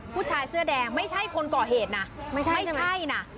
ผู้ชายเสื้อแดงไม่ใช่คนก่อเหตุนะไม่ใช่นะ